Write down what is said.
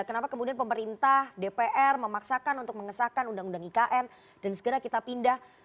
kenapa kemudian pemerintah dpr memaksakan untuk mengesahkan undang undang ikn dan segera kita pindah